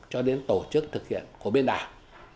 cho đến tổ chức thực hiện của bên đảng